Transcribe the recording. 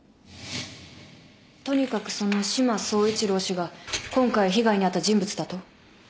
とにかくその志摩総一郎氏が今回被害に遭った人物だと。